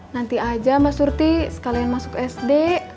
nanti aja mbak surti sekalian masuk sd